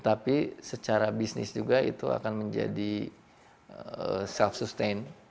jadi secara bisnis juga itu akan menjadi self sustain